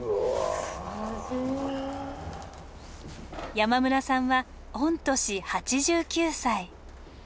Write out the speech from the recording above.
山村さんは御年８９歳。